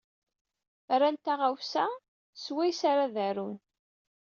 Ran taɣawsa swayes ar ad arun.